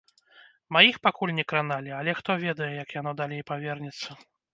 Маіх пакуль не краналі, але хто ведае, як яно далей павернецца.